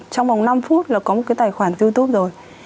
trong vòng năm phút là có một cái tài khoản youtube rồi